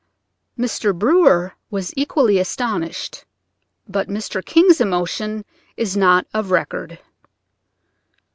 Mr. Brewer was equally astonished, but Mr. King's emotion is not of record.